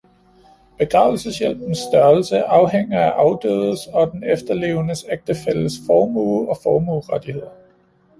Begravelseshjælpens størrelse afhænger af afdødes og den efterlevende ægtefælles formue og formuerettigheder